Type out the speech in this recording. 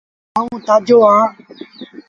آئوٚݩ تآجو اهآݩ۔